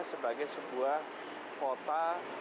sebagai sebuah kota